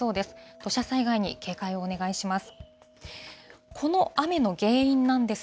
土砂災害に警戒をお願いします。